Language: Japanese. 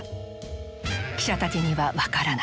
記者たちには分からない。